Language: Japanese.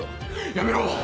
やめろ！